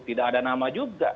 tidak ada nama juga